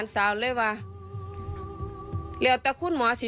แม่จะมาเรียกร้องอะไร